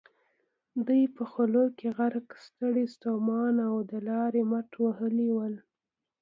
دوی په خولو کې غرق، ستړي ستومانه او د لارې مټ وهلي ول.